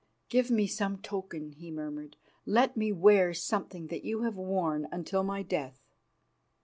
"Give me some token," he murmured; "let me wear something that you have worn until my death."